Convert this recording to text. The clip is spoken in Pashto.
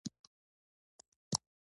احمد بې ځايه علي ته خوله چينګه چینګه کوي.